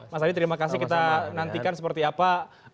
mas adi terima kasih kita nantikan seperti apa